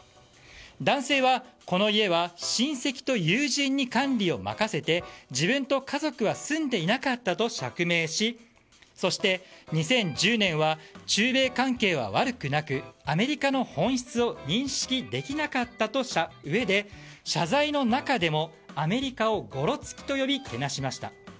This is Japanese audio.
男性は、この家は親戚と友人に管理を任せて自分と家族は住んでいなかったと釈明しそして、２０１０年は中米関係は悪くなくアメリカの本質を認識できなかったとしたうえで謝罪の中でもアメリカをごろつきと呼び、けなしました。